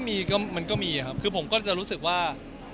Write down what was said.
ที่ถ้าที่ถ้าที่เถอะคือผมก็จะรู้สึกว่า